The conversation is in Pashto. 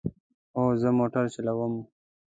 هو، زه موټر چلوم